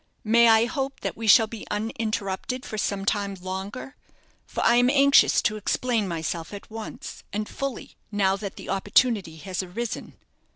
May I hope that we shall be uninterrupted for some time longer, for I am anxious to explain myself at once, and fully, now that the opportunity has arisen?"